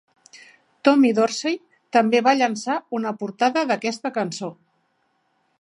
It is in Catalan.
Tommy Dorsey també va llançar una portada d"aquesta cançó.